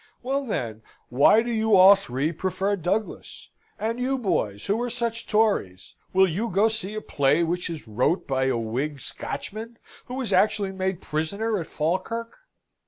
"Well, then, why do you all three prefer Douglas? And you, boys, who are such Tories, will you go see a play which is wrote by a Whig Scotchman, who was actually made prisoner at Falkirk?"